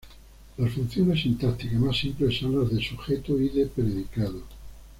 Las funciones sintácticas más simples son las de sujeto y de predicado.